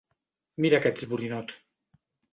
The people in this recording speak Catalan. Mira que ets borinot!